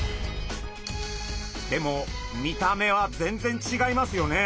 でも見た目は全然違いますよね。